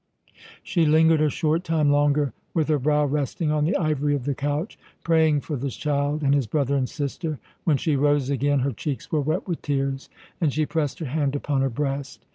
She lingered a short time longer, with her brow resting on the ivory of the couch, praying for this child and his brother and sister. When she rose again her cheeks were wet with tears, and she pressed her hand upon her breast.